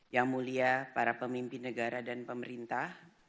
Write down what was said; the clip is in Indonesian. yang mulia para pemimpin negara dan pemerintah